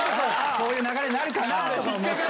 そういう流れになるかと思って。